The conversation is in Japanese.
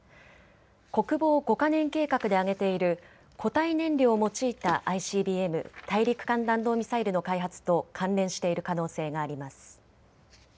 国防５か年計画で挙げている固体燃料を用いたＩＣＢＭ・大陸間弾道ミサイルの開発と関連している可能性があります。